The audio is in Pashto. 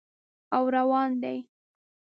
او روان دي